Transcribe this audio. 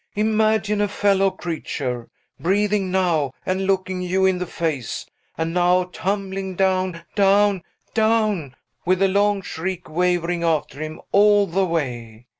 "Imagine a fellow creature, breathing now, and looking you in the face, and now tumbling down, down, down, with a long shriek wavering after him, all the way!